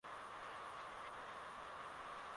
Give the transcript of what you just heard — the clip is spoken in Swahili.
Marmara na kujiimarisha katika kisiwa cha Galliopolis